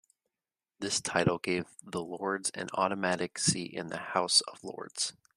This title gave the Lords an automatic seat in the House of Lords.